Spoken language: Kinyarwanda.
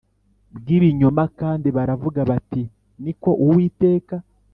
Bw ibinyoma kandi baravuga bati ni ko uwiteka